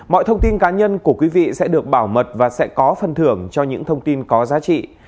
mọi thông tin cá nhân của quý vị sẽ được bảo mật và sẽ có phần thưởng cho những thông tin có giá trị